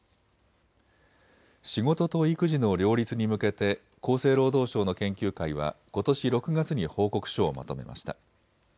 仕事と育児の両立に向けて厚生労働省の研究会はことし６月に報告書をまとめました。